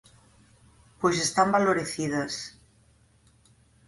_Pois están balorecidas.